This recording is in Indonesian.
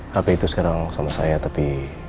hp itu sekarang sama saya tapi